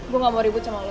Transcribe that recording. gua ga mau ribut sama lu